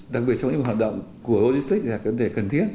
đặc biệt trong những hoạt động của logistics là cần thiết